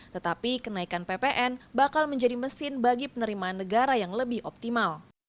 tetapi kenaikan ppn bakal menjadi mesin bagi penerimaan negara yang lebih optimal